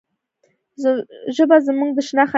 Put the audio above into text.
ژبه زموږ د شناخت آینه ده.